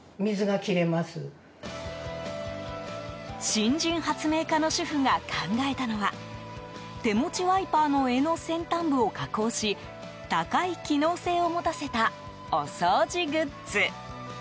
新人発明家の主婦が考えたのは手持ちワイパーの柄の先端部を加工し高い機能性を持たせたお掃除グッズ。